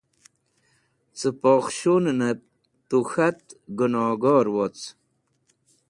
Cẽ pokhshũnẽnẽb tu k̃hat gẽnogor woc.